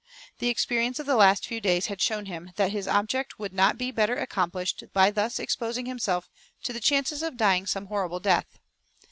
The experience of the last few days had shown him that his object would not be better accomplished by thus exposing himself to the chances of dying some horrible death.